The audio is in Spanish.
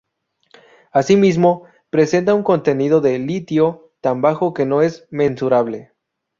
Asimismo, presenta un contenido de litio tan bajo que no es mensurable.